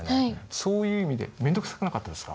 そういう意味で面倒くさくなかったですか？